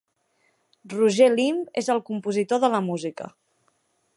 Roger Limb és el compositor de la música.